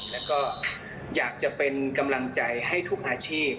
แล้วก็อยากจะเป็นกำลังใจให้ทุกอาชีพ